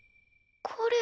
これ。